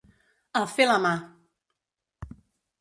A fer la mà!